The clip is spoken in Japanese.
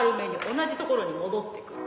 同じところに戻ってくる。